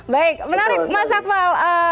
baik menarik mas akmal